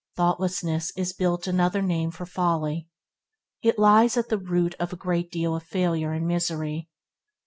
Thoughtlessness is built another name for folly. It lies at the root of a great deal of failure and misery.